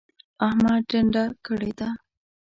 احمد ټنډه کړې ده.